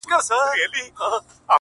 لاره ورکه سوه له سپي او له څښتنه؛